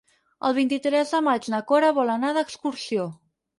El vint-i-tres de maig na Cora vol anar d'excursió.